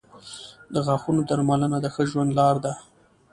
• د غاښونو درملنه د ښه ژوند لار ده.